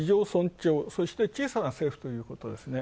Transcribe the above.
そして小さな政府ということですね。